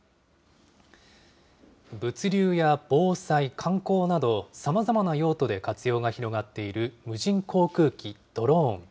物流や防災、観光など、さまざまな用途で活用が広がっている無人航空機、ドローン。